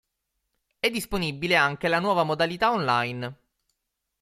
È disponibile anche la nuova modalità online.